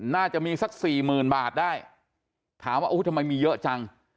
น่าจะมีสักสี่หมื่นบาทได้ถามว่าทำไมมีเยอะจัง